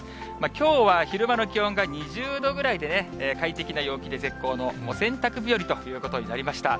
きょうは昼間の気温が２０度ぐらいでね、快適な陽気で、絶好のお洗濯日和ということになりました。